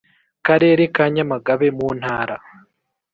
Karere ka Nyamagabe mu Ntara